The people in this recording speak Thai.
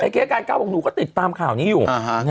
เค้การก้าวบอกหนูก็ติดตามข่าวนี้อยู่